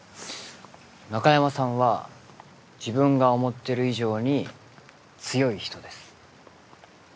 中山さんは自分が思っている以上に強い人です。